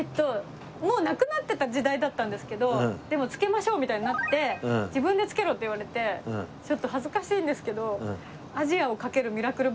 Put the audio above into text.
もうなくなってた時代だったんですけどでも付けましょうみたいになって自分で付けろって言われてちょっと恥ずかしいんですけど。